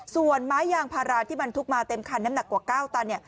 ส่วนไม้ยางพาราที่บรรทุกมาเต็มคันน้ำหนักกว่า๙ตัน